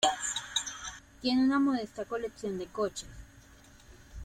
Tiene una modesta colección de coches.